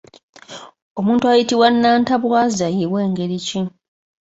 Omuntu ayitibwa “Nnantabwaza” ye w'engeri ki?